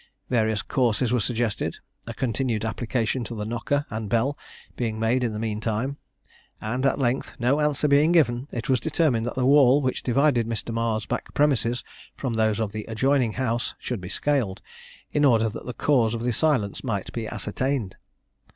Various courses were suggested, a continued application to the knocker and bell being made in the mean time; and at length, no answer being given, it was determined that the wall which divided Mr. Marr's back premises from those of the adjoining house should be scaled, in order that the cause of the silence might be ascertained.